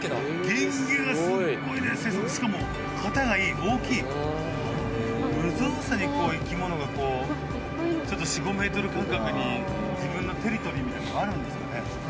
ゲンゲがすっごいね生息しかも型がいい大きい無造作にこう生き物がこうちょっと４５ｍ間隔に自分のテリトリーみたいなのあるんですかね？